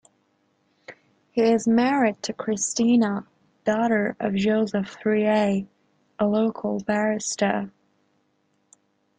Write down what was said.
He is married to Cristina, daughter of Joseph Triay, a local barrister.